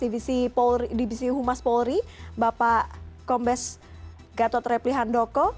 divisi humas polri bapak kombes gatot repli handoko